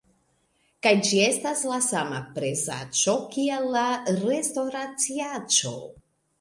kaj ĝi estas la sama prezaĉo kiel la restoraciaĉo!